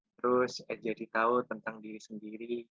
terus jadi tahu tentang diri sendiri